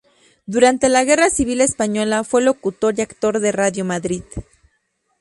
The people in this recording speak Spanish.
Durante la Guerra Civil Española fue locutor y actor de Radio Madrid.